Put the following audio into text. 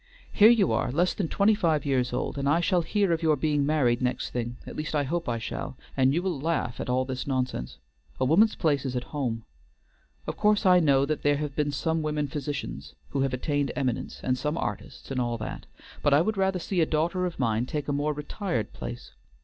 "Here you are less than twenty five years old, and I shall hear of your being married next thing, at least I hope I shall, and you will laugh at all this nonsense. A woman's place is at home. Of course I know that there have been some women physicians who have attained eminence, and some artists, and all that. But I would rather see a daughter of mine take a more retired place.